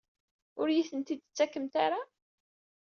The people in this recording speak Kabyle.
Ur iyi-tent-id-tettakemt ara?